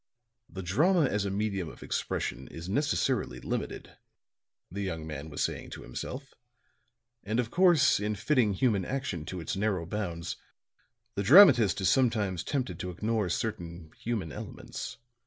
"The drama as a medium of expression is necessarily limited," the young man was saying to himself, "and of course, in fitting human action to its narrow bounds, the dramatist is sometimes tempted to ignore certain human elements.